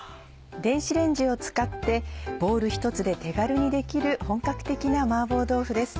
電子レンジを使ってボウル１つで手軽にできる本格的な「麻婆豆腐」です。